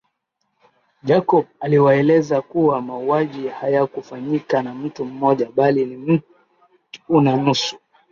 Jacob aliwaeleza kuwa mauaji hayakufanyika na mtu mmoja bali ni mt una nusu